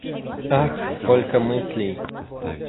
Ах, сколько мыслей!